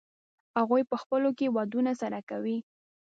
هغوی په خپلو کې ودونه سره کوي.